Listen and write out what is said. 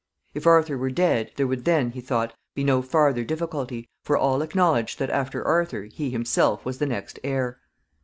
If Arthur were dead, there would then, he thought, be no farther difficulty, for all acknowledged that after Arthur he himself was the next heir.